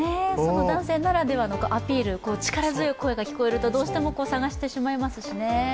男性ならではのアピール力強い声が聞こえるとどうしても探してしまいますしね。